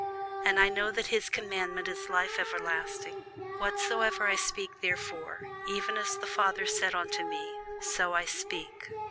And I know that his commandment is life everlasting: whatsoever I speak therefore, even as the Father said unto me, so I speak.